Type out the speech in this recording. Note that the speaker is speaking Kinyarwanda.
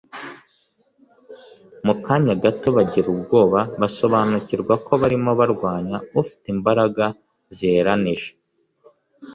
Mu kanya gato bagira ubwoba, basobanukirwa ko barimo barwanya ufite imbaraga ziheranije.